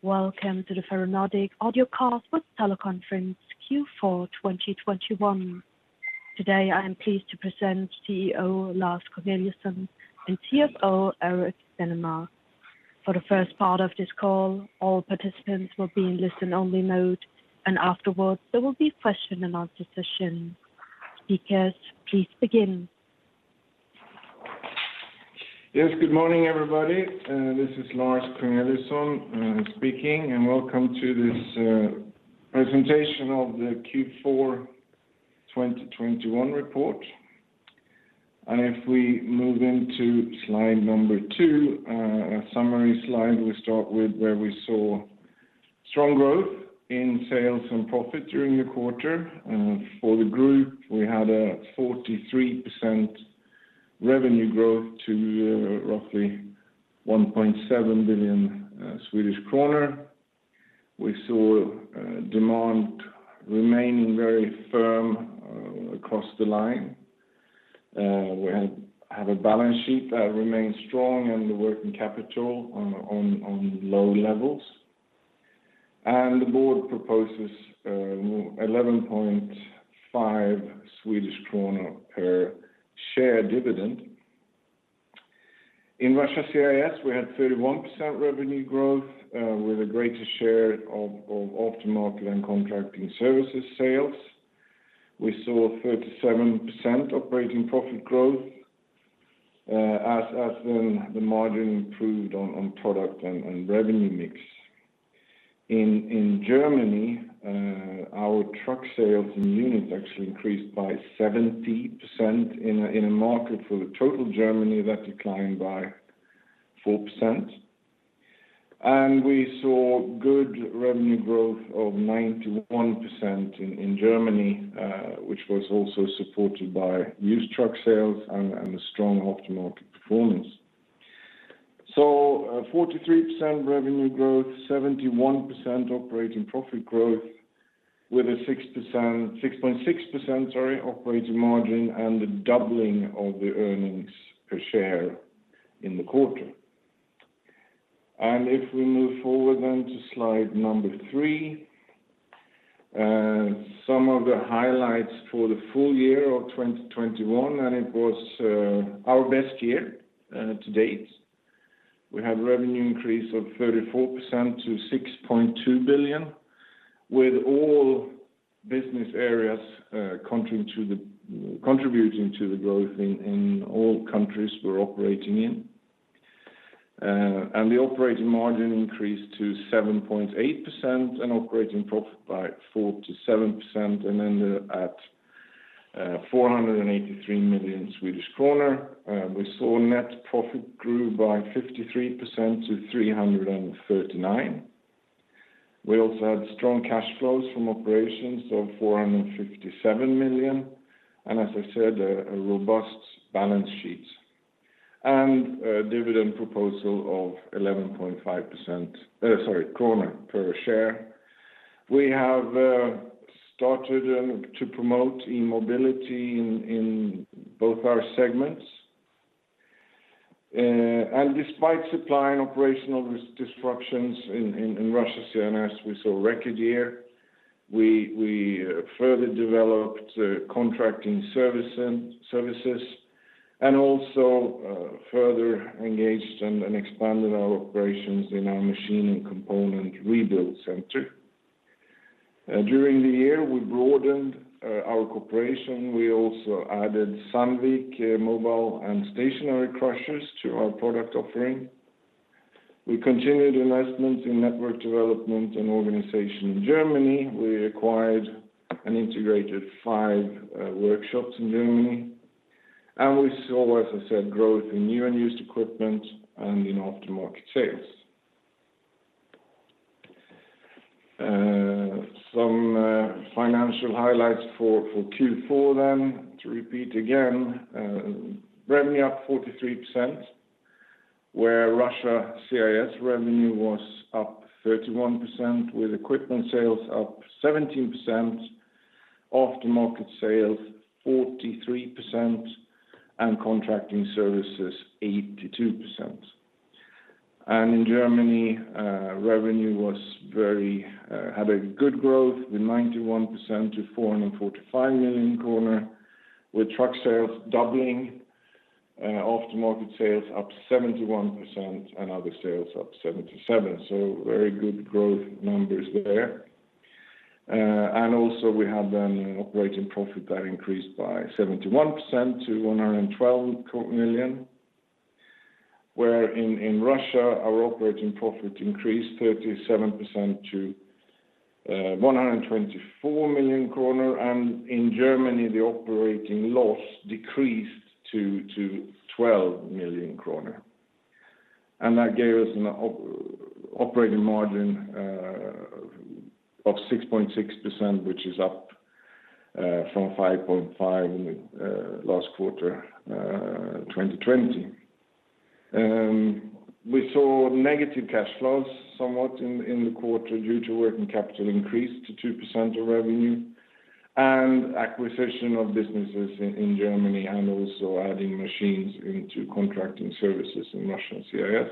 Welcome to the Ferronordic audio cast with teleconference Q4 2021. Today, I am pleased to present CEO Lars Corneliusson and CFO Erik Danemar. For the first part of this call, all participants will be in listen only mode, and afterwards, there will be question and answer session. Speakers, please begin. Good morning, everybody. This is Lars Corneliusson speaking, and welcome to this presentation of the Q4 2021 report. If we move into slide number two, a summary slide we start with where we saw strong growth in sales and profit during the quarter. For the group, we had a 43% revenue growth to roughly 1.7 billion. We saw demand remaining very firm across the line. We have a balance sheet that remains strong and the working capital on low levels. The board proposes 11.5 Swedish krona per share dividend. In Russia/CIS, we had 31% revenue growth with a greater share of aftermarket and contracting services sales. We saw 37% operating profit growth, as the margin improved on product and revenue mix. In Germany, our truck sales in units actually increased by 70% in a market for the total Germany that declined by 4%. We saw good revenue growth of 91% in Germany, which was also supported by used truck sales and a strong aftermarket performance. 43% revenue growth, 71% operating profit growth with a 6.6% operating margin and the doubling of the earnings per share in the quarter. If we move forward to slide three, some of the highlights for the full year of 2021, our best year to date. We had revenue increase of 34% to 6.2 billion, with all business areas contributing to the growth in all countries we're operating in. The operating margin increased to 7.8% and operating profit by 4%-7%, and ended at 483 million. We saw net profit grew by 53% to 339 million. We also had strong cash flows from operations of 457 million, and as I said, a robust balance sheet. A dividend proposal of 11.5 per share. We have started to promote e-mobility in both our segments. Despite supply and operational disruptions in Russia/CIS, we saw record year. We further developed contracting services and also further engaged and expanded our operations in our machine and component rebuild center. During the year, we broadened our cooperation. We also added Sandvik mobile and stationary crushers to our product offering. We continued investments in network development and organization in Germany. We acquired and integrated five workshops in Germany. We saw, as I said, growth in new and used equipment and in aftermarket sales. Some financial highlights for Q4 then to repeat again. Revenue up 43%, where Russia/CIS revenue was up 31% with equipment sales up 17%, aftermarket sales 43% and contracting services 82%. In Germany, revenue had a good growth with 91% to 445 million, with truck sales doubling, aftermarket sales up 71% and other sales up 77%. Very good growth numbers there. Also we have an operating profit that increased by 71% to 112 million, where in Russia, our operating profit increased 37% to 124 million. In Germany, the operating loss decreased to 12 million kronor. That gave us an operating margin of 6.6%, which is up from 5.5% in the last quarter, 2020. We saw negative cash flows somewhat in the quarter due to working capital increase to 2% of revenue. Acquisition of businesses in Germany and also adding machines into contracting services in Russian/CIS.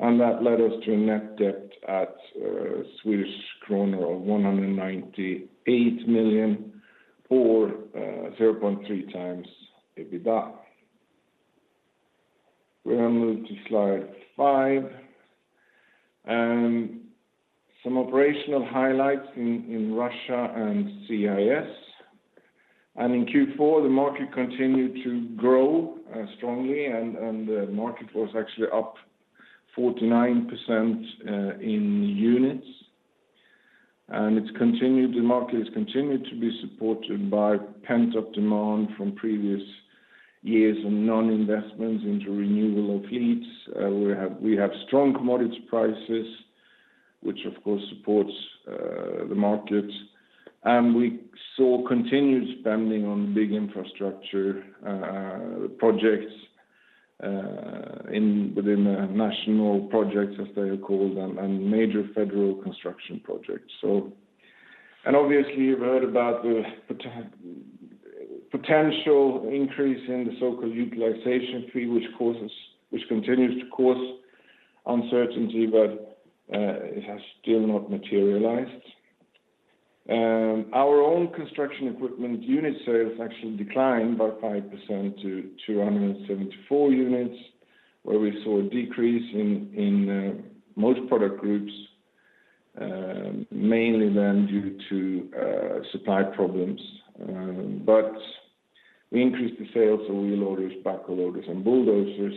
That led us to a net debt of 198 million Swedish kronor or 0.3x EBITDA. We now move to slide five. Some operational highlights in Russia and CIS. In Q4, the market continued to grow strongly, and the market was actually up 49% in units. The market has continued to be supported by pent-up demand from previous years of non-investments into renewal of fleets. We have strong commodity prices, which of course supports the market. We saw continued spending on big infrastructure projects within the national projects as they are called, and major federal construction projects. Obviously, you've heard about the potential increase in the so-called utilization fee which continues to cause uncertainty, but it has still not materialized. Our own construction equipment unit sales actually declined by 5% to 274 units, where we saw a decrease in most product groups, mainly due to supply problems. But we increased the sales of wheel loaders, backhoe loaders, and bulldozers.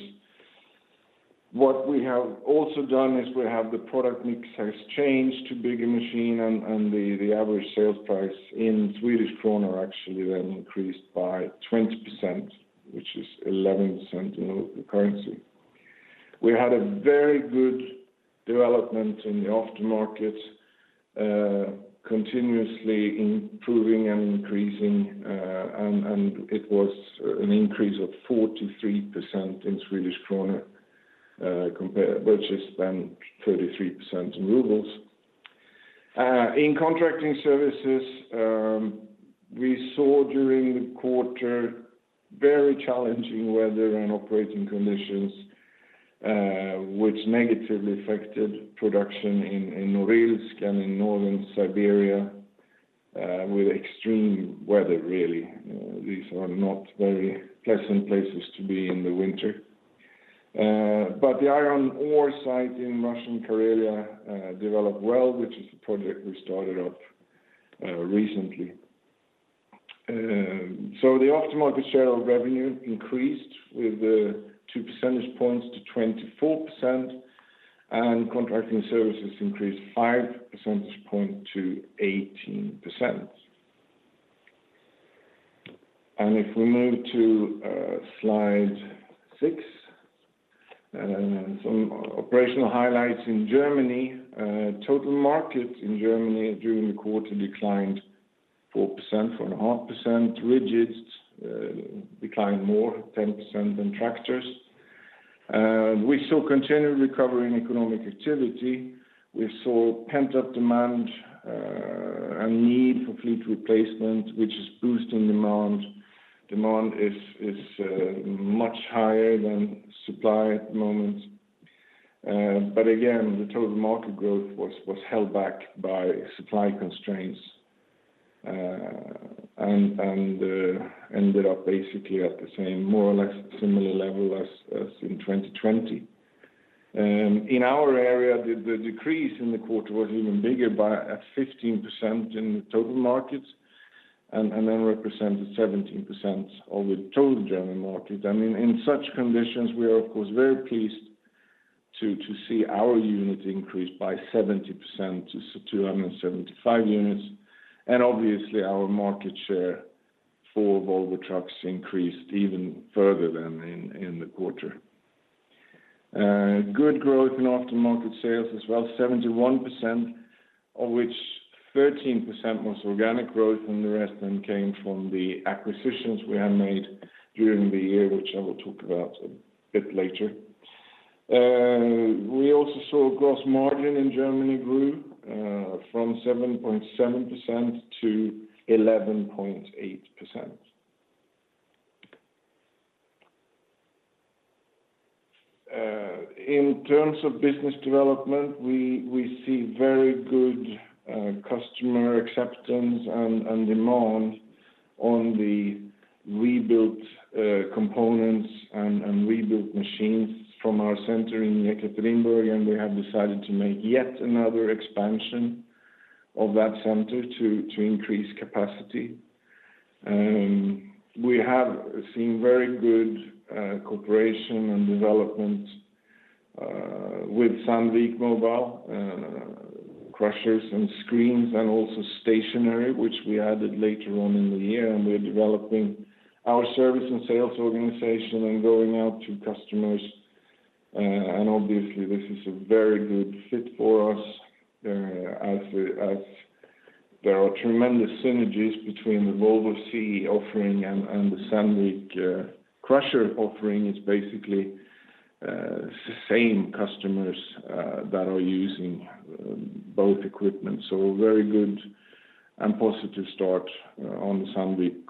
What we have also done is we have the product mix has changed to bigger machine and the average sales price in Swedish krona actually then increased by 20%, which is 11% in local currency. We had a very good development in the aftermarket, continuously improving and increasing, and it was an increase of 43% in Swedish krona, compared, which is then 33% in rubles. In contracting services, we saw during the quarter very challenging weather and operating conditions, which negatively affected production in Norilsk and in northern Siberia, with extreme weather really. These are not very pleasant places to be in the winter. The iron ore site in Russian Karelia developed well, which is a project we started up recently. The aftermarket share of revenue increased with 2 percentage points to 24%, and contracting services increased 5 percentage points to 18%. If we move to slide six, some operational highlights in Germany. Total market in Germany during the quarter declined 4%, 4.5%. Rigid declined more, 10% than tractors. We saw continued recovery in economic activity. We saw pent-up demand and need for fleet replacement, which is boosting demand. Demand is much higher than supply at the moment. But again, the total market growth was held back by supply constraints and ended up basically at the same more or less similar level as in 2020. In our area, the decrease in the quarter was even bigger, at 15% in the total market and then represented 17% of the total German market. I mean, in such conditions, we are of course very pleased to see our unit increase by 70% to 275 units. Obviously, our market share for Volvo Trucks increased even further than in the quarter. Good growth in aftermarket sales as well, 71%, of which 13% was organic growth, and the rest then came from the acquisitions we have made during the year, which I will talk about a bit later. We also saw gross margin in Germany grew from 7.7% to 11.8%. In terms of business development, we see very good customer acceptance and demand on the rebuilt components and rebuilt machines from our center in Yekaterinburg, and we have decided to make yet another expansion of that center to increase capacity. We have seen very good cooperation and development with Sandvik Mobile Crushers and Screens, and also stationary, which we added later on in the year. We're developing our service and sales organization and going out to customers. Obviously, this is a very good fit for us, as there are tremendous synergies between the Volvo CE offering and the Sandvik crusher offering is basically the same customers that are using both equipment, so a very good and positive start on the Sandvik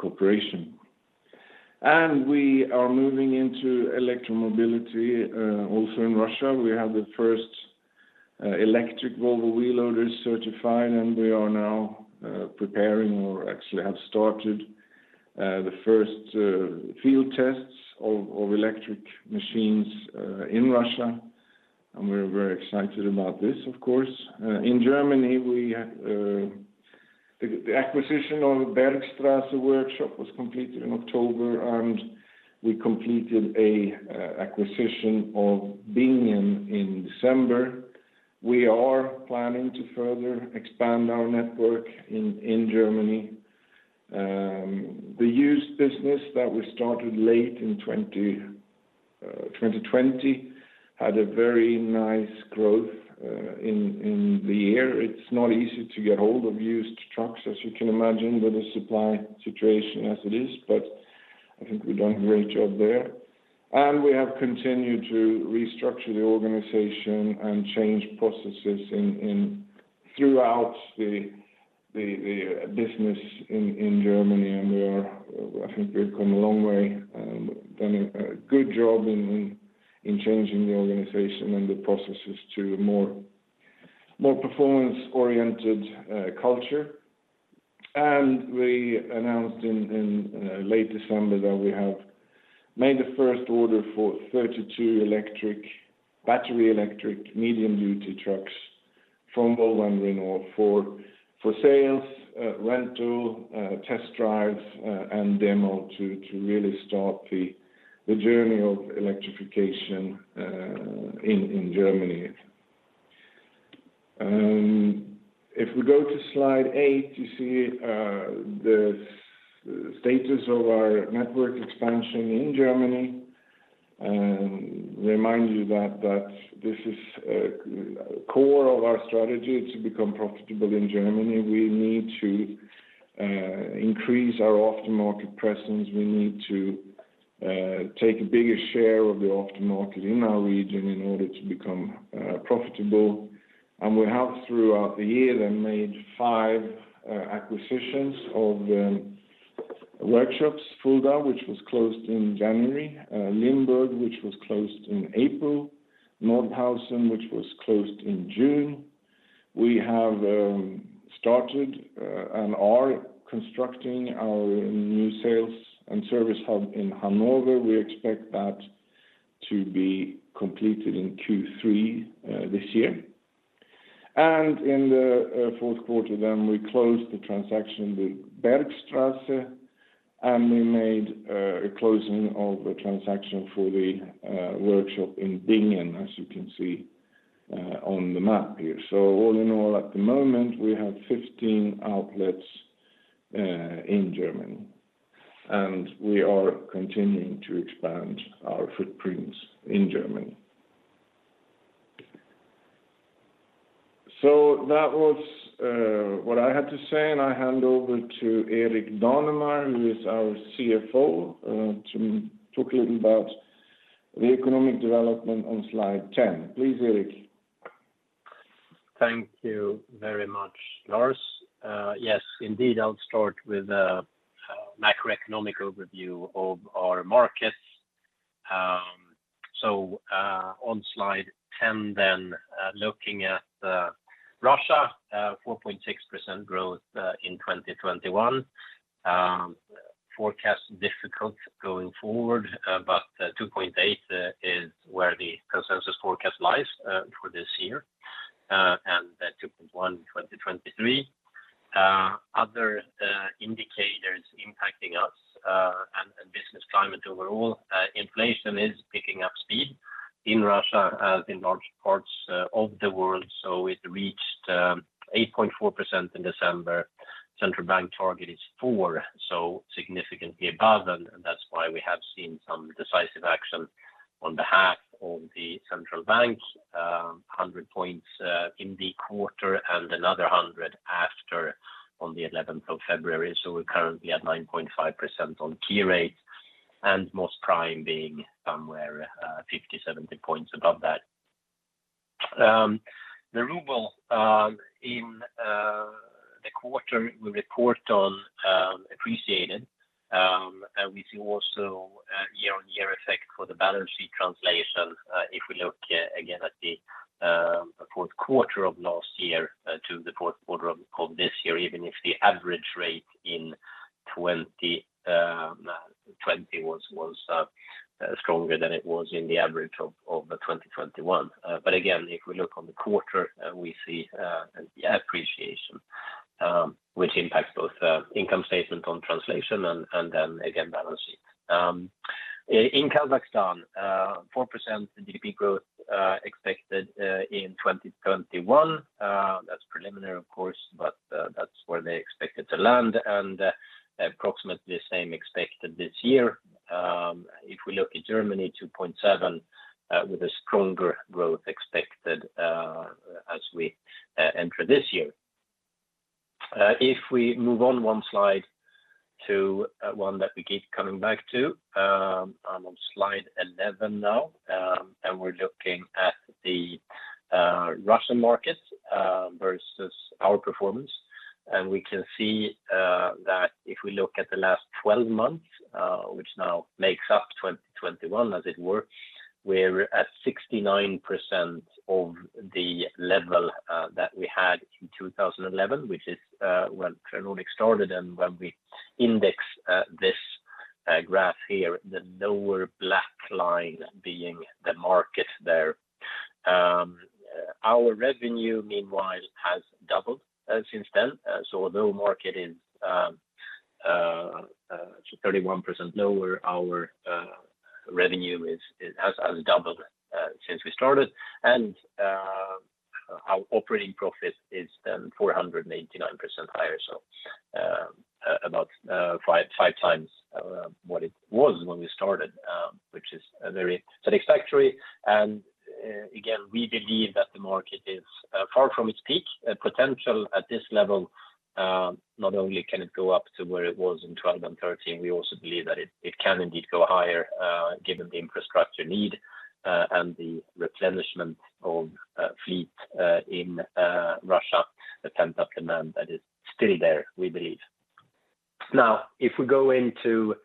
cooperation. We are moving into electromobility also in Russia. We have the first electric Volvo wheel loaders certified, and we are now preparing, or actually have started, the first field tests of electric machines in Russia, and we're very excited about this of course. In Germany, the acquisition of Bergstrasse Workshop was completed in October, and we completed an acquisition of Bingen in December. We are planning to further expand our network in Germany. The used business that we started late in 2020 had a very nice growth in the year. It's not easy to get hold of used trucks, as you can imagine, with the supply situation as it is, but I think we've done a great job there. We have continued to restructure the organization and change processes throughout the business in Germany. I think we've come a long way, done a good job in changing the organization and the processes to a more performance-oriented culture. We announced in late December that we have made the first order for 32 electric, battery electric medium-duty trucks from Volvo and Renault for sales, rental, test drives, and demo to really start the journey of electrification in Germany. If we go to slide eight you see the status of our network expansion in Germany. Remind you that this is core of our strategy to become profitable in Germany. We need to increase our aftermarket presence. We need to take a bigger share of the aftermarket in our region in order to become profitable. We have, throughout the year, then made five acquisitions of workshops. Fulda, which was closed in January. Limburg, which was closed in April. Nordhausen, which was closed in June. We have started and are constructing our new sales and service hub in Hannover. We expect that to be completed in Q3 this year. In the fourth quarter then we closed the transaction with Bergstrasse, and we made a closing of a transaction for the workshop in Bingen, as you can see on the map here. All in all, at the moment, we have 15 outlets in Germany, and we are continuing to expand our footprints in Germany. That was what I had to say, and I hand over to Erik Danemar, who is our CFO, to talk a little about the economic development on slide 10. Please, Erik. Thank you very much, Lars. Yes, indeed, I'll start with macroeconomic overview of our markets. So, on slide 10 then, looking at Russia, 4.6% growth in 2021. Forecast difficult going forward, but 2.8 is where the consensus forecast lies for this year, and 2.1 in 2023. Other indicators impacting us and business climate overall, inflation is picking up speed in Russia, in large parts of the world, so it reached 8.4% in December. Central Bank target is 4%, so significantly above, and that's why we have seen some decisive action on behalf of the Central Bank, 100 points in the quarter and another 100 after on the eleventh of February. We're currently at 9.5% on key rates, and most prime being somewhere 50-70 points above that. The ruble in the quarter we report on appreciated, and we see also a year-on-year effect for the balance sheet translation, if we look again at the fourth quarter of last year to the fourth quarter of this year, even if the average rate in 2020 was stronger than it was in the average of 2021. Again, if we look on the quarter, we see the appreciation, which impacts both income statement on translation and then again balance sheet. In Kazakhstan, 4% GDP growth expected in 2021. That's preliminary of course, but that's where they expected to land, and approximately the same expected this year. If we look at Germany, 2.7% with a stronger growth expected as we enter this year. If we move on one slide to one that we keep coming back to, slide 11 now, and we're looking at the Russian market versus our performance. We can see that if we look at the last twelve months, which now makes up 2021 as it were, we're at 69% of the level that we had in 2011, which is when Ferronordic started and when we index this graph here, the lower black line being the market there. Our revenue meanwhile has doubled since then. Although market is 31% lower, our revenue has doubled since we started. Our operating profit is then 489% higher, about five times what it was when we started, which is very satisfactory. Again, we believe that the market is far from its peak potential at this level, not only can it go up to where it was in 2012 and 2013, we also believe that it can indeed go higher, given the infrastructure need and the replenishment of fleet in Russia, the pent-up demand that is still there, we believe. Now, if we go into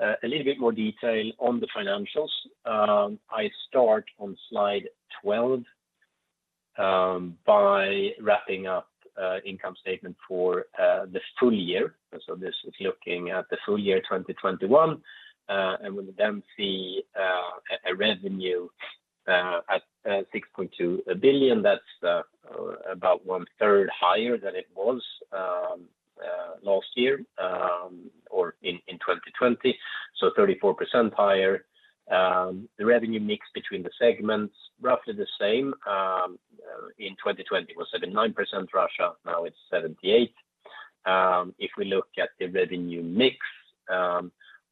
a little bit more detail on the financials, I start on slide 12 by wrapping up income statement for the full year. This is looking at the full year 2021. We then see a revenue at 6.2 billion. That's about 1/3 higher than it was last year or in 2020, so 34% higher. The revenue mix between the segments roughly the same. In 2020 was 79% Russia, now it's 78%. If we look at the revenue mix,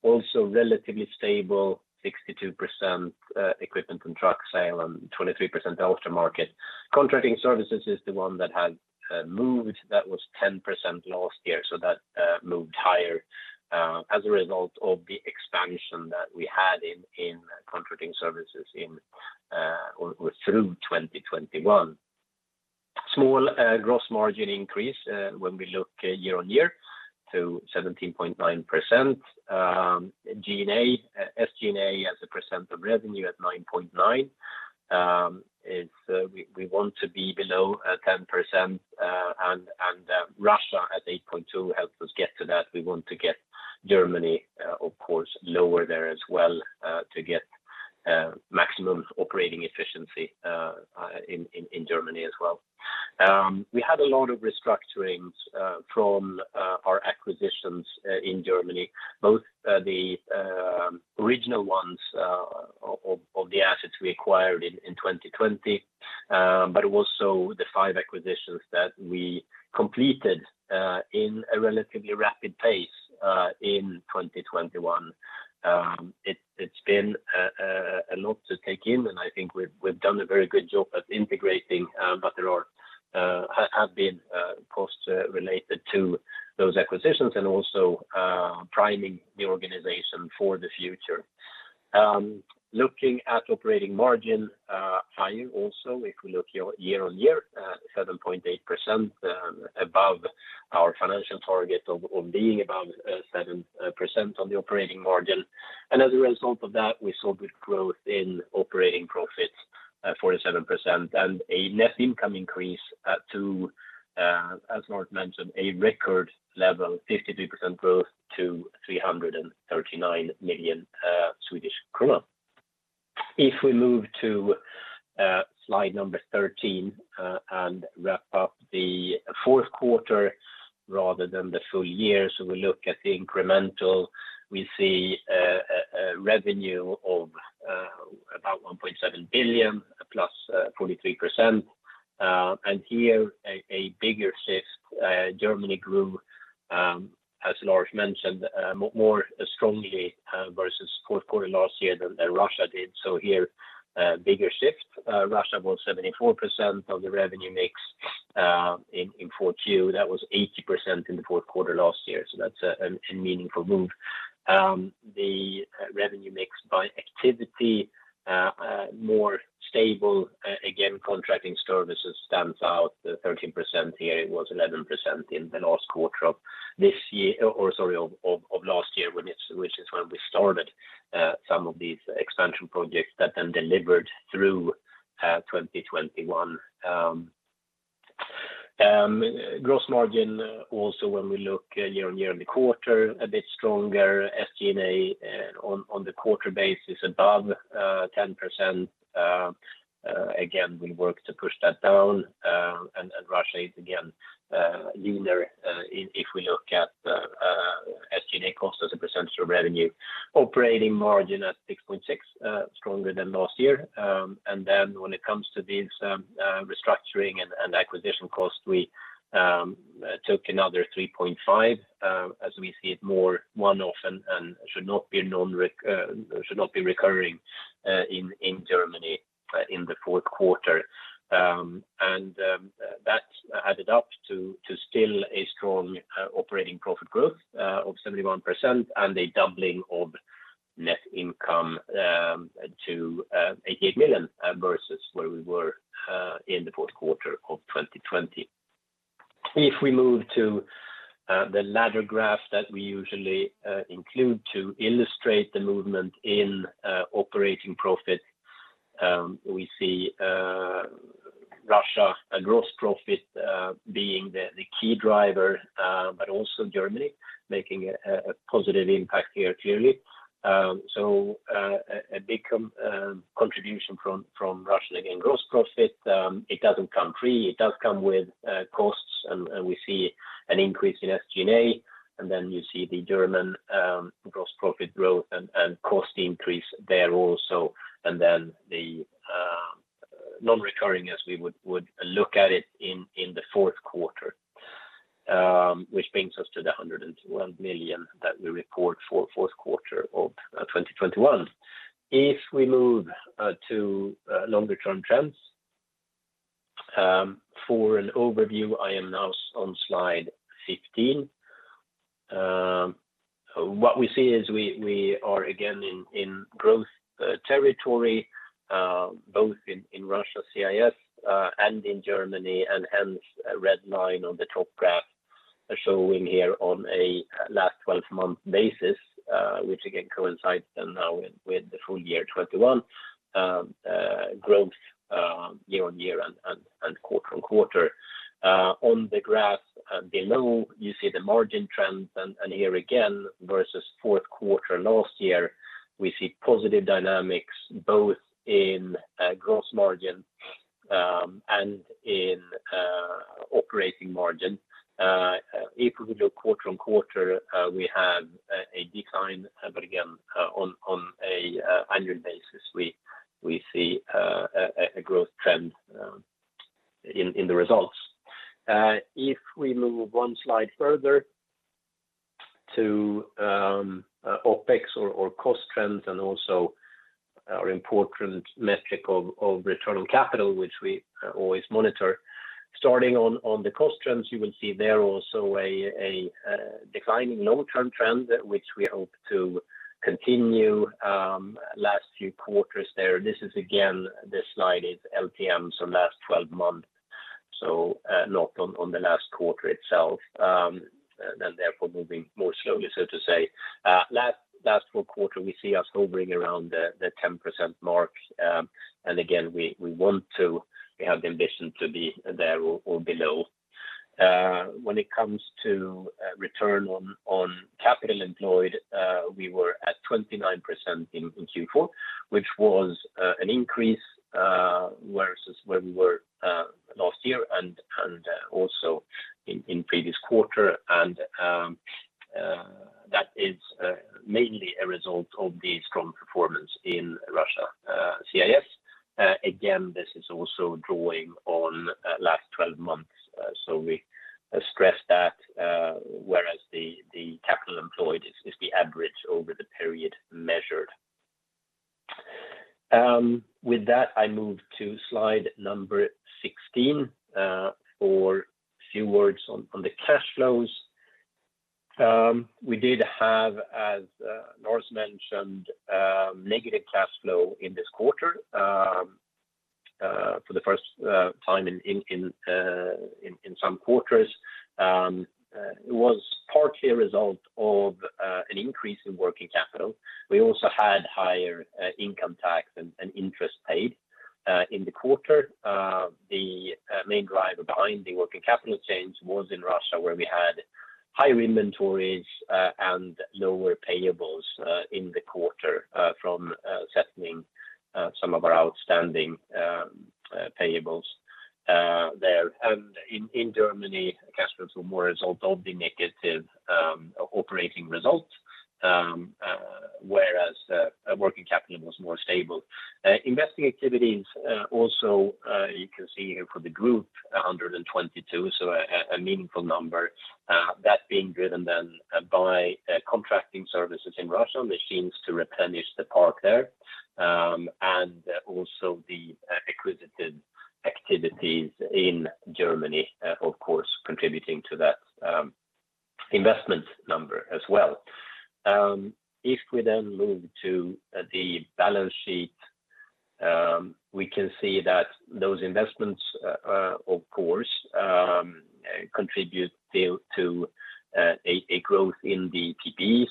also relatively stable, 62% equipment and truck sale and 23% aftermarket. Contracting services is the one that has moved. That was 10% last year. That moved higher as a result of the expansion that we had in contracting services or through 2021. Small gross margin increase when we look year-on-year to 17.9%. SG&A as a percent of revenue at 9.9%. We want to be below 10%, and Russia at 8.2% helps us get to that. We want to get Germany of course lower there as well to get maximum operating efficiency in Germany as well. We had a lot of restructurings from our acquisitions in Germany, both the original ones of the assets we acquired in 2020, but also the five acquisitions that we completed in a relatively rapid pace in 2021. It's been a lot to take in, and I think we've done a very good job at integrating, but there have been costs related to those acquisitions and also priming the organization for the future. Looking at operating margin, also high, if we look year-on-year, 7.8% above our financial target of being above 7% on the operating margin. As a result of that, we saw good growth in operating profits, 47% and a net income increase to, as Lars mentioned, a record level 52% growth to SEK 339 million. If we move to slide 13 and wrap up the fourth quarter rather than the full year. We look at the incremental, we see a revenue of about 1.7 billion +43%. Here a bigger shift, Germany grew, as Lars mentioned, more strongly versus fourth quarter last year than Russia did. Here, bigger shift, Russia was 74% of the revenue mix in Q4. That was 80% in the fourth quarter last year. That's a meaningful move. The revenue mix by activity more stable. Again, contracting services stands out, 13% here. It was 11% in the last quarter of last year, which is when we started some of these expansion projects that then delivered through 2021. Gross margin also when we look year-on-year on the quarter a bit stronger, SG&A on the quarter base is above 10%. Again, we work to push that down, and Russia is again leaner if we look at SG&A cost as a percentage of revenue. Operating margin at 6.6%, stronger than last year. When it comes to these restructuring and acquisition costs, we took another 3.5 million, as we see it more one-off and should not be recurring in Germany in the fourth quarter. That added up to still a strong operating profit growth of 71% and a doubling of net income to 88 million versus where we were in the fourth quarter of 2020. If we move to the ladder graph that we usually include to illustrate the movement in operating profit, we see Russia and gross profit being the key driver, but also Germany making a positive impact here clearly. A big contribution from Russia again, gross profit. It doesn't come free. It does come with costs and we see an increase in SG&A, and then you see the German gross profit growth and cost increase there also. Then the non-recurring as we would look at it in the fourth quarter, which brings us to 101 million that we report for fourth quarter of 2021. If we move to longer term trends for an overview, I am now on slide 15. What we see is we are again in growth territory both in Russia/CIS, and in Germany and hence red line on the top graph showing here on a last twelve-month basis, which again coincides now with the full year 2021 growth year-on-year and quarter-on-quarter. On the graph below you see the margin trends and here again versus fourth quarter last year, we see positive dynamics both in gross margin and in operating margin. If we look quarter-on-quarter, we have a decline, but again on an annual basis, we see a growth trend in the results. If we move one slide further to OpEx or cost trends and also our important metric of return on capital, which we always monitor. Starting on the cost trends, you will see there also a declining long-term trend which we hope to continue last few quarters there. This is again, this slide is LTM, so last 12 months. Not on the last quarter itself. Then therefore moving more slowly so to say. Last full quarter, we see us hovering around the 10% mark. Again, we want to, we have the ambition to be there or below. When it comes to return on capital employed, we were at 29% in Q4, which was an increase versus where we were last year and also in previous quarter. That is mainly a result of the strong performance in Russia/CIS. Again, this is also drawing on last 12 months. We stress that whereas the capital employed is the average over the period measured. With that, I move to slide number 16 for a few words on the cash flows. We did have, as Lars mentioned, negative cash flow in this quarter for the first time in some quarters. It was partly a result of an increase in working capital. We also had higher income tax and interest paid in the quarter. The main driver behind the working capital change was in Russia, where we had higher inventories and lower payables in the quarter from settling some of our outstanding payables there. In Germany, cash flows were more a result of the negative operating results, whereas working capital was more stable. Investing activities also, you can see here for the group, 122 million, so a meaningful number. That being driven then by contracting services in Russia, machines to replenish the park there. Also the acquisitive activities in Germany of course contributing to that investment number as well. If we then move to the balance sheet, we can see that those investments of course contribute to a growth in the PP&E.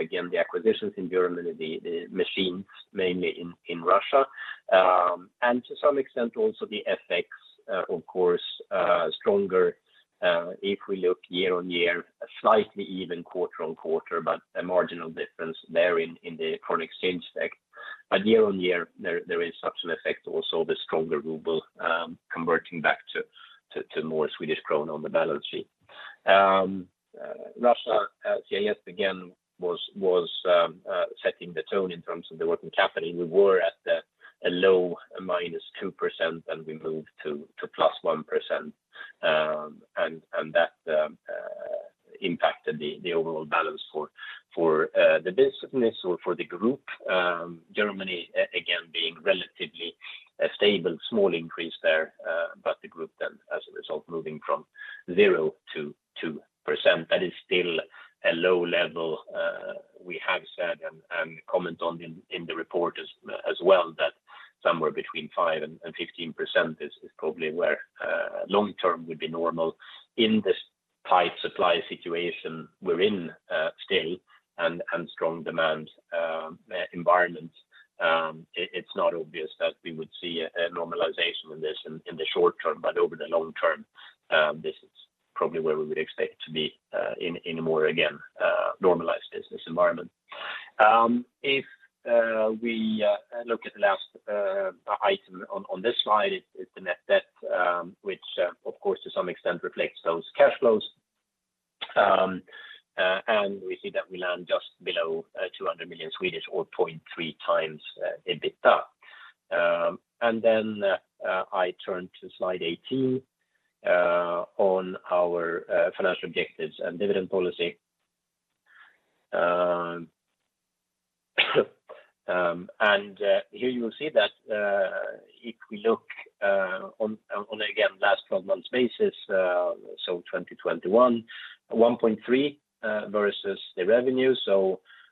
Again, the acquisitions in Germany, the machines mainly in Russia. To some extent also the FX of course stronger if we look year-on-year, slightly even quarter-over-quarter, but a marginal difference there in the foreign exchange effect. Year-on-year there is such an effect also the stronger ruble converting back to more Swedish krona on the balance sheet. Russia/CIS again was setting the tone in terms of the working capital. We were at a low -2%, and we moved to +1%. That impacted the overall balance for the business or for the group. Germany again being relatively stable, small increase there. The group then as a result, moving from 0% to 2%, that is still a low level. We have said and comment on in the report as well, that somewhere between 5% and 15% is probably where long term would be normal in this tight supply situation we're in, still, and strong demand environment. It's not obvious that we would see a normalization in this in the short term, but over the long term, this is probably where we would expect to be in a more, again, normalized business environment. If we look at the last item on this slide, it's the net debt, which of course to some extent reflects those cash flows. We see that we land just below 200 million or 0.3x EBITDA. Then I turn to slide 18 on our financial objectives and dividend policy. Here you will see that if we look on again last twelve months basis, so 2021, 1.3 versus the revenue.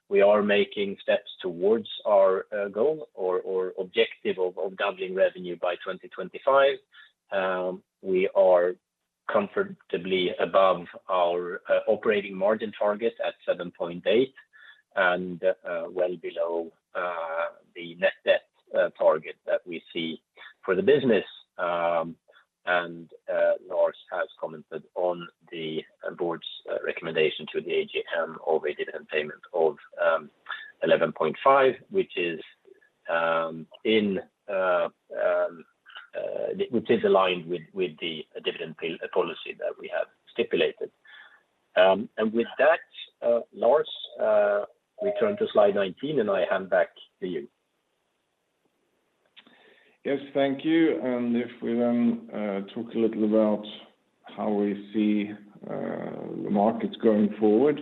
We are making steps towards our goal or objective of doubling revenue by 2025. We are comfortably above our operating margin target at 7.8% and well below the net debt target that we see for the business. Lars has commented on the board's recommendation to the AGM of a dividend payment of 11.5, which is aligned with the dividend pay policy that we have stipulated. With that, Lars, we turn to slide 19 and I hand back to you. Yes, thank you. If we then talk a little about how we see the markets going forward.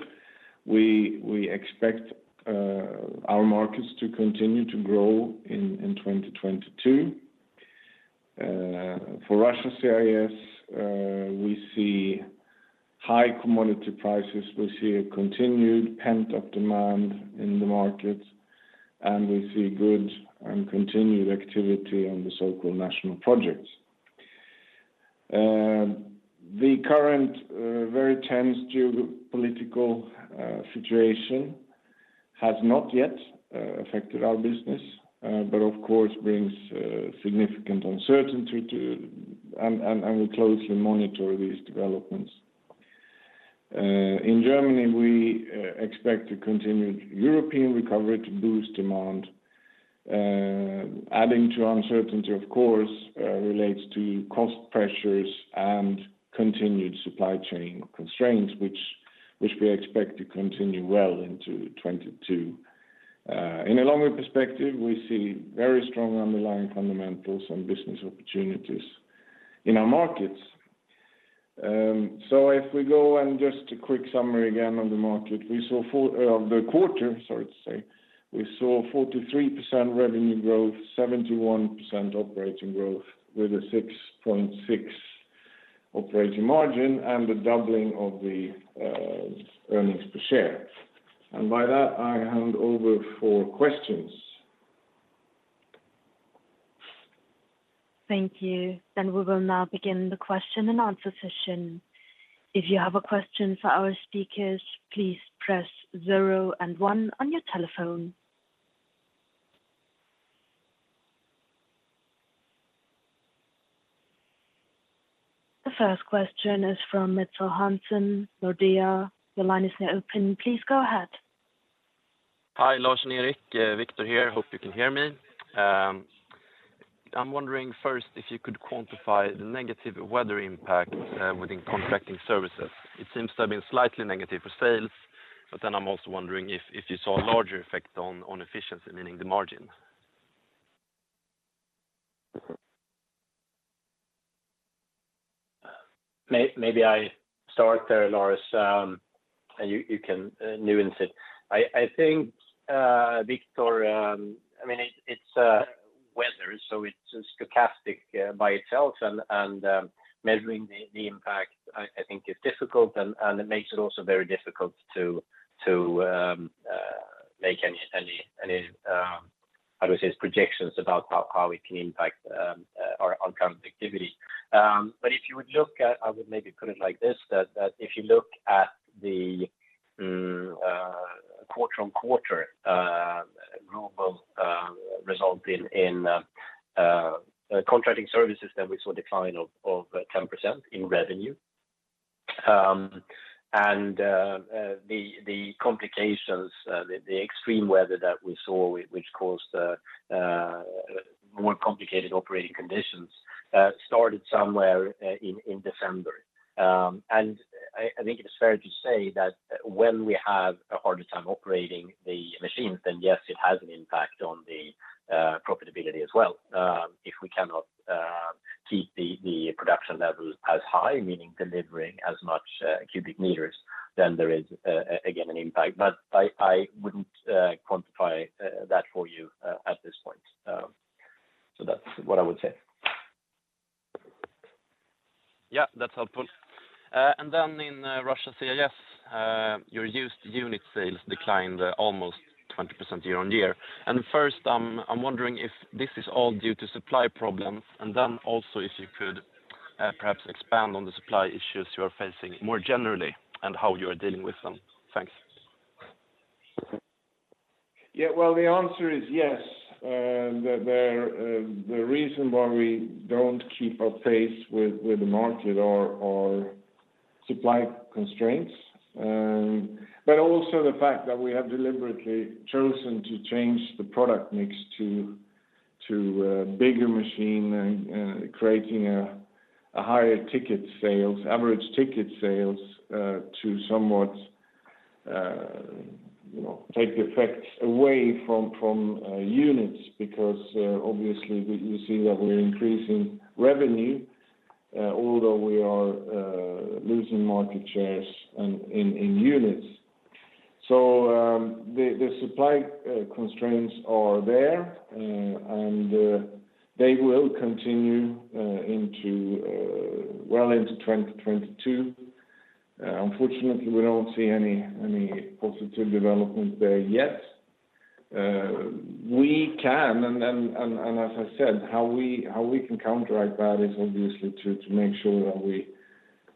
We expect our markets to continue to grow in 2022. For Russia/CIS, we see high commodity prices. We see a continued pent-up demand in the markets, and we see good and continued activity on the so-called national projects. The current very tense geopolitical situation has not yet affected our business, but of course brings significant uncertainty. We closely monitor these developments. In Germany, we expect a continued European recovery to boost demand. Adding to uncertainty, of course, relates to cost pressures and continued supply chain constraints, which we expect to continue well into 2022. In a longer perspective, we see very strong underlying fundamentals and business opportunities in our markets. So if we go and just a quick summary again on the market, in the quarter, sorry to say, we saw 43% revenue growth, 71% operating growth with a 6.6% operating margin and the doubling of the earnings per share. By that, I hand over for questions. Thank you. We will now begin the question and answer session. If you have a question for our speakers, please press zero and one on your telephone. The first question is from Victor Hansen, Nordea. Your line is now open. Please go ahead. Hi, Lars and Erik. Victor here. Hope you can hear me. I'm wondering first if you could quantify the negative weather impact within contracting services. It seems to have been slightly negative for sales, but then I'm also wondering if you saw a larger effect on efficiency, meaning the margin. Maybe I start there, Lars, and you can nuance it. I think, Victor, I mean, it's weather, so it's stochastic by itself. Measuring the impact, I think is difficult, and it makes it also very difficult to make any, how do I say this, projections about how it can impact our contracting activity. I would maybe put it like this, that if you look at the quarter-over-quarter growth of results in contracting services, then we saw a decline of 10% in revenue. The complications, the extreme weather that we saw which caused more complicated operating conditions started somewhere in December. I think it's fair to say that when we have a harder time operating the machines, then yes, it has an impact on the profitability as well. If we cannot keep the production levels as high, meaning delivering as much cubic meters, then there is again an impact. But I wouldn't quantify that for you at this point. That's what I would say. Yeah, that's helpful. In Russia/CIS, your used unit sales declined almost 20% year-on-year. First, I'm wondering if this is all due to supply problems, and then also if you could perhaps expand on the supply issues you are facing more generally and how you are dealing with them. Thanks. Yeah. Well, the answer is yes. The reason why we don't keep pace with the market is supply constraints. But also the fact that we have deliberately chosen to change the product mix to bigger machines and creating higher average ticket sales to somewhat you know take the effect away from units because obviously we see that we're increasing revenue although we are losing market shares in units. The supply constraints are there and they will continue into well into 2022. Unfortunately we don't see any positive development there yet. We can, as I said, how we can counteract that is obviously to make sure that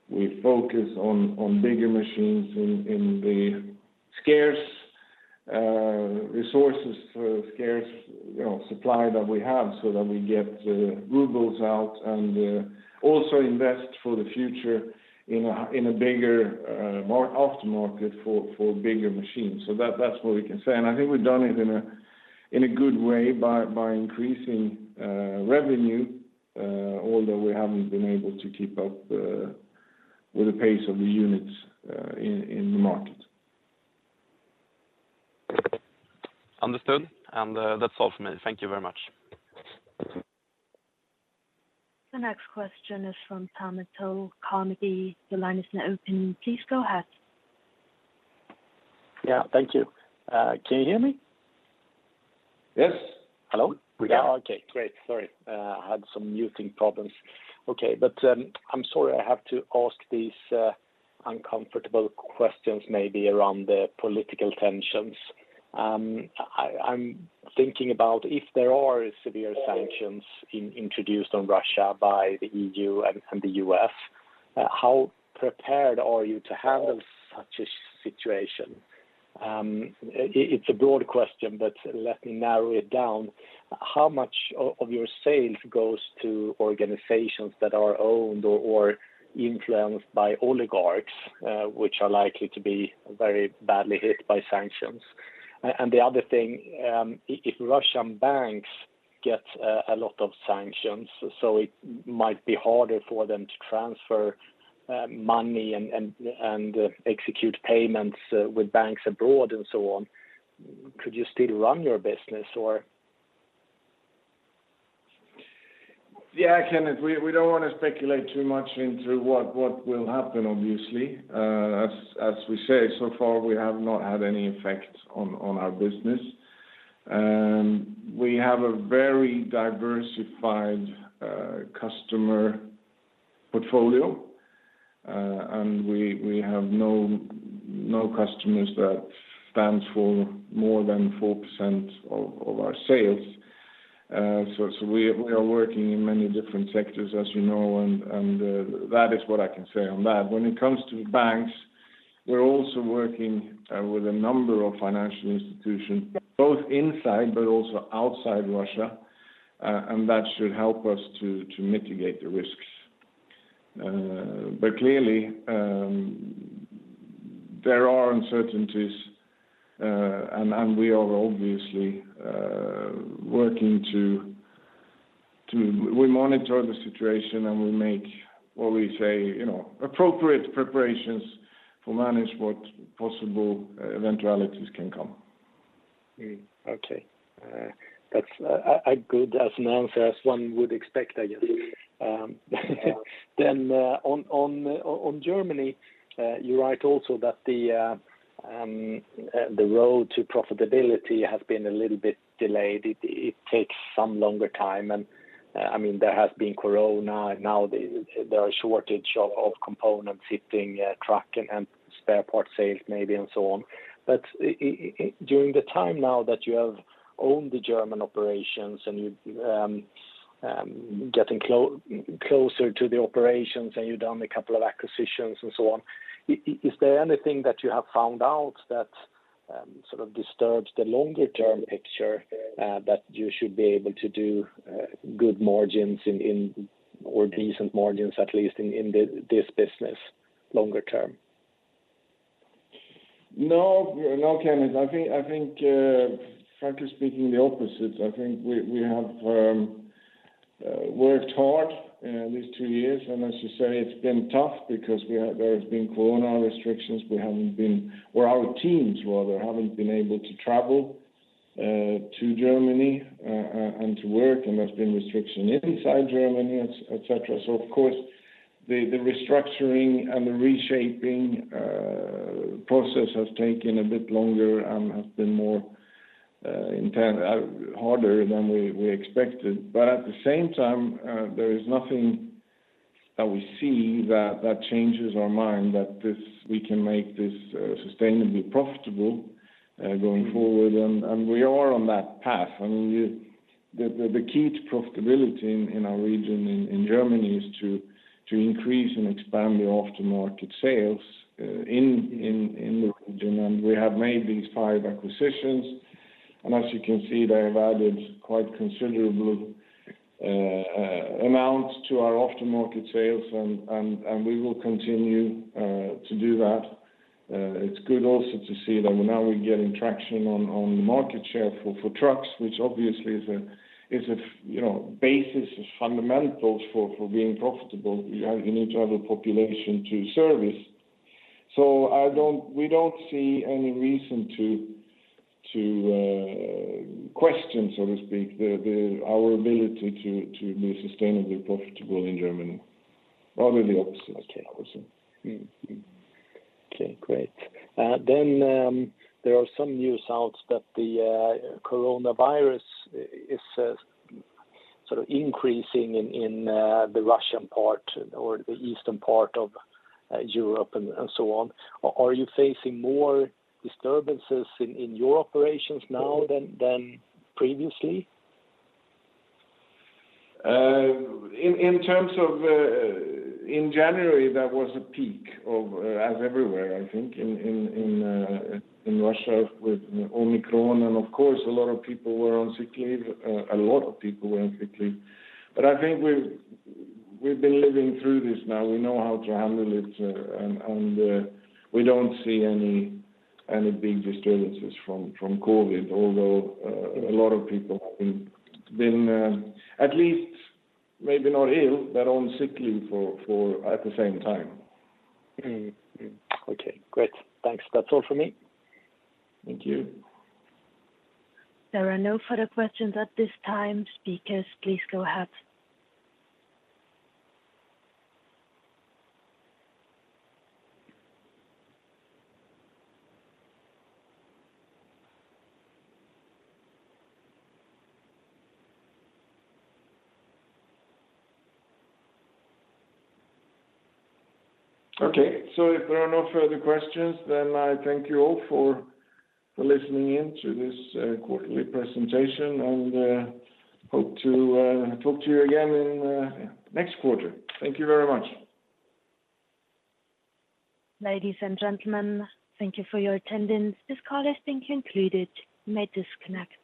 we focus on bigger machines in the scarce resources for scarce supply that we have so that we get rubles out and also invest for the future in a bigger aftermarket for bigger machines. That's what we can say. I think we've done it in a good way by increasing revenue, although we haven't been able to keep up with the pace of the units in the market. Understood. That's all from me. Thank you very much. The next question is from Kenneth Toll Johansson, Carnegie. Your line is now open. Please go ahead. Yeah, thank you. Can you hear me? Yes. Hello? We can. Yeah. Okay, great. Sorry, had some muting problems. Okay. I'm sorry, I have to ask these uncomfortable questions maybe around the political tensions. I'm thinking about if there are severe sanctions introduced on Russia by the E.U. and the U.S., how prepared are you to handle such a situation? It's a broad question, but let me narrow it down. How much of your sales goes to organizations that are owned or influenced by oligarchs, which are likely to be very badly hit by sanctions? And the other thing, if Russian banks get a lot of sanctions, so it might be harder for them to transfer money and execute payments with banks abroad and so on, could you still run your business or? Yeah, Kenneth, we don't wanna speculate too much into what will happen, obviously. As we say, so far, we have not had any effect on our business. We have a very diversified customer portfolio, and we have no customers that stands for more than 4% of our sales. We are working in many different sectors, as you know, and that is what I can say on that. When it comes to banks, we're also working with a number of financial institutions, both inside but also outside Russia, and that should help us to mitigate the risks. Clearly, there are uncertainties, and we are obviously working to... We monitor the situation, and we make what we say, you know, appropriate preparations to manage what possible eventualities can come. That's as good an answer as one would expect, I guess. On Germany, you write also that the road to profitability has been a little bit delayed. It takes some longer time. I mean, there has been corona, and now there are shortages of components hitting truck and spare parts sales maybe and so on. During the time now that you have owned the German operations and you getting closer to the operations and you've done a couple of acquisitions and so on, is there anything that you have found out that sort of disturbs the longer term picture that you should be able to do good margins in or decent margins, at least in this business longer term? No, Kenneth. I think, frankly speaking the opposite. I think we have worked hard these two years, and as you say, it's been tough because there has been corona restrictions. Our teams rather haven't been able to travel to Germany and to work, and there's been restriction inside Germany, et cetera. Of course, the restructuring and the reshaping process has taken a bit longer and has been harder than we expected. At the same time, there is nothing that we see that changes our mind that we can make this sustainably profitable going forward. We are on that path. I mean, the key to profitability in our region in Germany is to increase and expand the aftermarket sales in the region. We have made these five acquisitions, and as you can see, they have added quite considerable amount to our aftermarket sales and we will continue to do that. It's good also to see that now we're getting traction on the market share for trucks, which obviously is a you know, basis of fundamentals for being profitable. You need to have a population to service. We don't see any reason to question, so to speak, our ability to be sustainably profitable in Germany. Probably the opposite. Okay. I see. Mm-hmm. Okay, great. There are some new results that the coronavirus is sort of increasing in the Russian part or the eastern part of Europe and so on. Are you facing more disturbances in your operations now than previously? In terms of, in January, there was a peak of, as everywhere, I think, in Russia with Omicron. Of course, a lot of people were on sick leave. I think we've been living through this now. We know how to handle it, and we don't see any big disturbances from COVID, although a lot of people have been at least maybe not ill, but on sick leave at the same time. Mm-hmm. Okay, great. Thanks. That's all for me. Thank you. There are no further questions at this time. Speakers, please go ahead. Okay. If there are no further questions, then I thank you all for listening in to this quarterly presentation, and hope to talk to you again in next quarter. Thank you very much. Ladies and gentlemen, thank you for your attendance. This call has been concluded. You may disconnect.